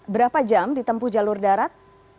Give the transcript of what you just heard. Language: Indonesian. berapa jam ditempuh jalur darat